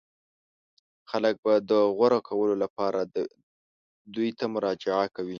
خلک به د غوره کولو لپاره دوی ته مراجعه کوي.